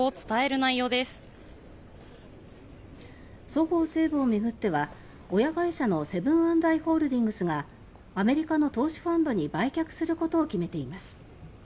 「そごう・西武」は親会社のセブン＆アイ・ホールディングスがアメリカの投資ファンドに売却することを決めています。